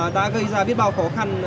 đã gây ra biết bao khó khăn